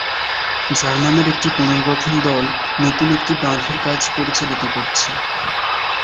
জার্মানের একটি পুনর্গঠন দল নতুন একটি বাঁধের কাজ পরিচালিত করছে।